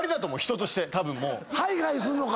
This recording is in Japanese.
ハイハイするのか！